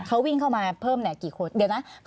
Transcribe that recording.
เขาวิ่งเข้ามาเพิ่มกี่คนเดี๋ยวนะ